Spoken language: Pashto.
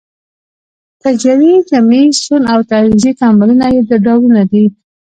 تجزیوي، جمعي، سون او تعویضي تعاملونه یې ډولونه دي.